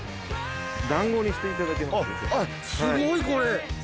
団子にしていただけます？